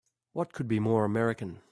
What could be more American!